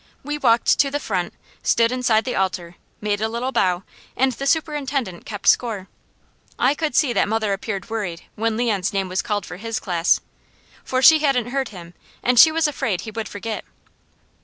We walked to the front, stood inside the altar, made a little bow, and the superintendent kept score. I could see that mother appeared worried when Leon's name was called for his class, for she hadn't heard him, and she was afraid he would forget.